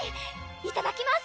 いただきます！